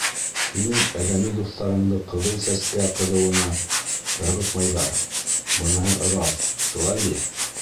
Һинең әҙәми дуҫтарыңды Ҡыҙыл Сәскә ҡыҙыуына ырғытмайҙар, быныһы раҫ, шулай бит?